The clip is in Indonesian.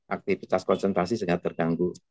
aktivitas konsentrasi sangat terganggu